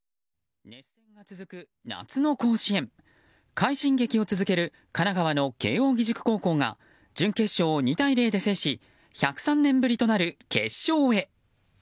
快進撃を続ける神奈川の慶応義塾高校が準決勝を２対０で制し１０３年ぶりとなる決勝へ。